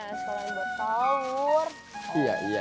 nah sekarang buat tawur